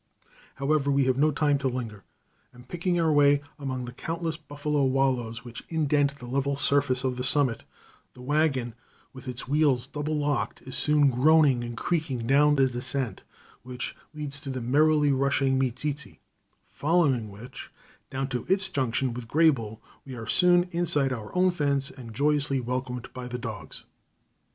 However, we have no time to linger, and picking our way among the countless buffalo wallows which indent the level surface of the summit, the wagon, with its wheels double locked, is soon groaning and creaking down the descent, which leads to the merrily rushing Meeteetse, following which, down to its junction with Greybull, we are soon inside our own fence, and are joyously welcomed by the dogs.